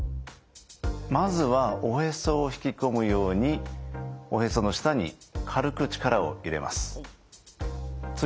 まずはおへそを引き込むようにおへその下に軽く力を入れます。